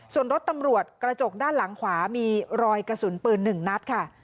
ส่วนรถตำรวจกระจกด้านหลังขวามีรอยกระสุนปืน๑นัดค่ะ